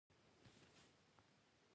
• دا قوم د خپلواکۍ په جګړو کې برخه اخیستې.